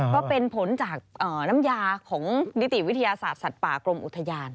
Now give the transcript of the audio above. ก็เป็นผลจากน้ำยาของนิติวิทยาศาสตร์สัตว์ป่ากรมอุทยาน